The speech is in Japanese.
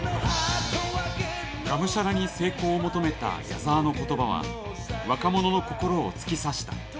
がむしゃらに成功を求めた矢沢の言葉は若者の心を突き刺した。